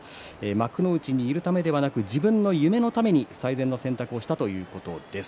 幕内にいるためではなく自分の夢のために最善の選択をしたということです。